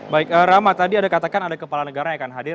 baik rama tadi ada katakan ada kepala negara yang akan hadir